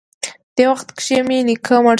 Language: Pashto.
دې وخت کښې مې نيکه مړ سو.